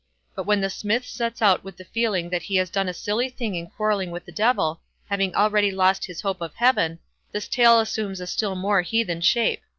But when the Smith sets out with the feeling that he has done a silly thing in quarrelling with the Devil, having already lost his hope of heaven, this tale assumes a still more heathen shape.